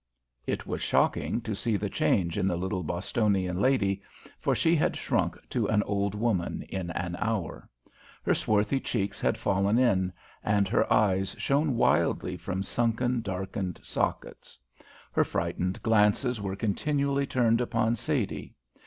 It was shocking to see the change in the little Bostonian lady, for she had shrunk to an old woman in an hour. Her swarthy cheeks had fallen in, and her eyes shone wildly from sunken, darkened sockets. Her frightened glances were continually turned upon Sadie.